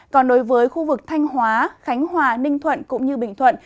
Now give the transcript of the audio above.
còn đối với khu vực thanh hóa khánh hòa ninh thuận cũng như bình thuận